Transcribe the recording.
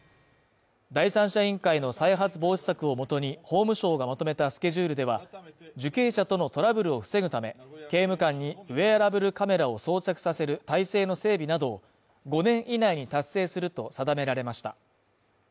第三者委員会の再発防止策をもとに法務省がまとめたスケジュールでは、受刑者とのトラブルを防ぐため、刑務官にウェアラブルカメラを装着させる体制の整備などを５年以内に達成すると定められました。